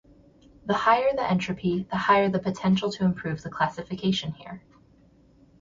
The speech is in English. The higher the entropy, the higher the potential to improve the classification here.